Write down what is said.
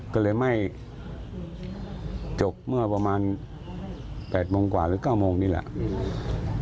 ก็เลยไม่จบเมื่อประมาณ๘โมงกว่าหรือ๙โมงนี่แหละ